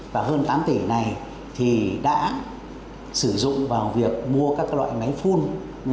và hơn tám tỷ này thì đã sử dụng vào việc mua các loại máy phun